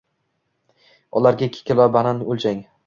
Ularga ikki kilo banan oʻlchang.